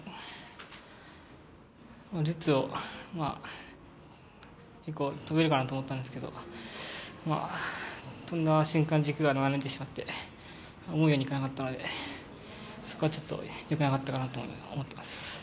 ルッツを跳べるかなと思ったんですけど跳んだ瞬間軸が斜めってしまって思うようにいかなかったのでそこはちょっと良くなかったなと思っています。